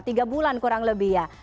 tiga bulan kurang lebih ya